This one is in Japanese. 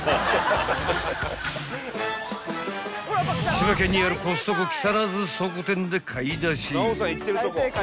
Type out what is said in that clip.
［千葉県にあるコストコ木更津倉庫店で買い出し］